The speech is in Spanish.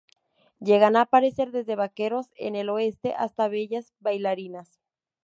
Llegan a aparecer desde vaqueros en el Oeste hasta bellas bailarinas.